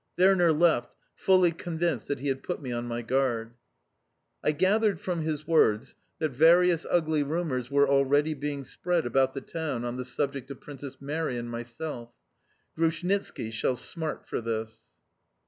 Werner left, fully convinced that he had put me on my guard. I gathered from his words that various ugly rumours were already being spread about the town on the subject of Princess Mary and myself: Grushnitski shall smart for this!